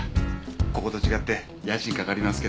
ここと違って家賃かかりますけど。